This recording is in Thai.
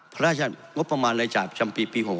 พระราชาชนงบประมาณรายจ่ายชำปี๖ปี